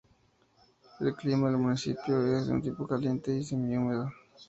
El clima del municipio es de tipo caliente y semi-húmedo.